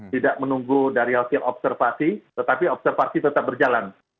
tidak menunggu dari hasil observasi tetapi observasi tetap berjalan